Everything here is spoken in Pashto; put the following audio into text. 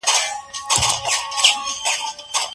لویه جرګه کله د ملي ماتم په ورځو کي جوړیږي؟